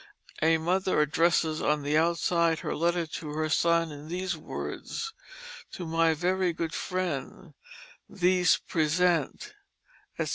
A mother addresses on the outside her letter to her son in these words, "To my very good friend, These Present," etc.